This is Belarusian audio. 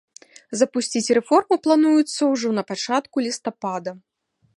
Запусціць рэформу плануецца ўжо напачатку лістапада.